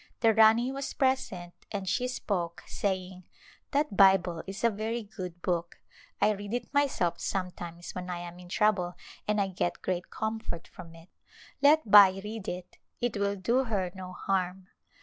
The Rani was present, and she spoke, saying, "That Bible is a very good book. I read it myself sometimes when I am in trouble and I get great comfort from it. Let Bai read it, it will do her no harm."